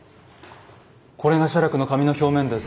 これが写楽の紙の表面です。